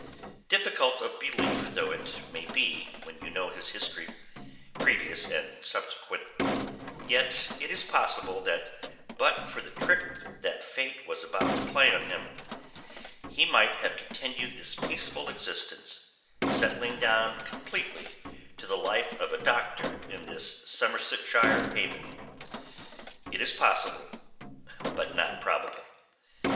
Difficult of belief though it may be when you know his history, previous and subsequent, yet it is possible that but for the trick that Fate was about to play him, he might have continued this peaceful existence, settling down completely to the life of a doctor in this Somersetshire haven. It is possible, but not probable.